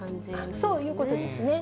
そういうことですね。